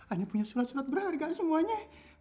anda punya surat surat berharga semuanya